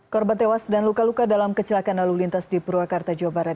korban tewas dan luka luka dalam kecelakaan lalu lintas di purwakarta jawa barat